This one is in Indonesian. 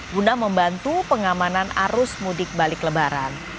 guna membantu pengamanan arus mudik balik lebaran